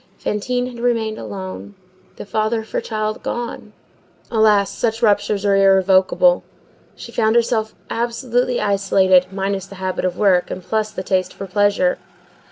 Fantine had remained alone. The father of her child gone,—alas! such ruptures are irrevocable,—she found herself absolutely isolated, minus the habit of work and plus the taste for pleasure.